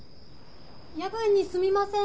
・夜分にすみません。